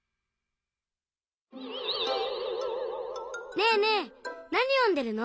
ねえねえなによんでるの？